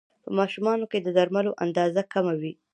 په ماشومانو کې د درملو اندازه کمه وي.